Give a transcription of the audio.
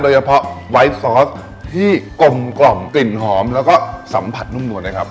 เฉพาะไวท์ซอสที่กลมกล่อมกลิ่นหอมแล้วก็สัมผัสนุ่มนวลนะครับ